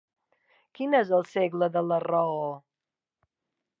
Quin és el segle de la raó?